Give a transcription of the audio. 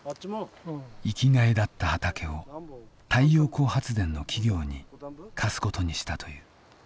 生きがいだった畑を太陽光発電の企業に貸すことにしたという。